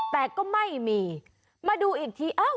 แต่ก็ไม่มีมาดูอีกทีเอ้า